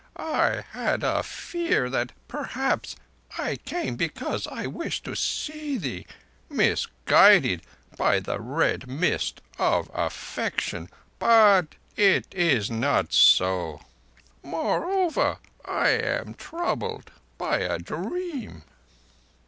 I had a fear that, perhaps, I came because I wished to see thee—misguided by the Red Mist of affection. It is not so ... Moreover, I am troubled by a dream."